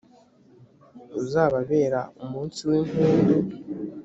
uzababera umunsi w’impundu.